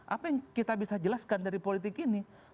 apa yang kita bisa jelaskan dari politik ini